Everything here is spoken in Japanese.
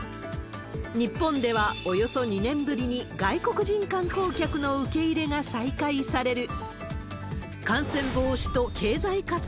日本ではおよそ２年ぶりに外国人観光客の受け入れが再開される。